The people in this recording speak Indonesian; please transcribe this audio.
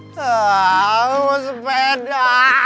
aaaa mau sepeda